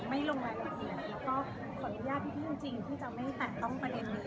ไม่ลงร้านประเทศแล้วก็สวัสดิ์ญาติที่จริงจริงที่จะไม่ตัดต้องประเด็นนี้